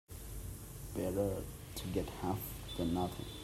Better to get half than nothing.